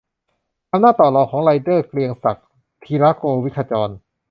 อำนาจต่อรองของไรเดอร์ - เกรียงศักดิ์ ธีระโกวิทขจร